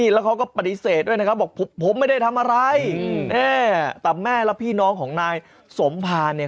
แล้วเขาก็ปฏิเสธด้วยนะครับบอกผมไม่ได้ทำอะไรแต่แม่และพี่น้องของนายสมภาเนี่ย